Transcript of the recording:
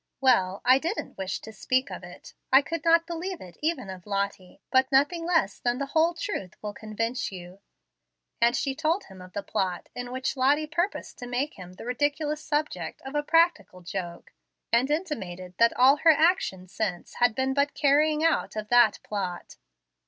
Well, I didn't wish to speak of it. I could not believe it even of Lottie, but nothing less than the whole truth will convince you"; and she told him of the plot in which Lottie purposed to make him the ridiculous subject of a practical joke, and intimated that all her action since had been but the carrying out of that plot.